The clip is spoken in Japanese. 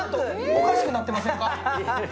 おかしくなってませんか？